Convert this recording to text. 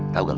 tau gak lu